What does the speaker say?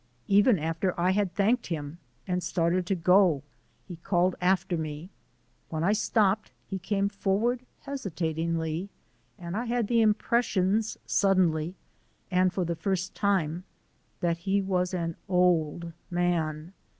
Even after I had thanked him and started to go he called after me. When I stopped he came forward hesitatingly and I had the impressions, suddenly, and for the first time that he was an old man.